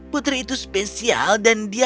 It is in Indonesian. putri itu spesial dan dia itu berharga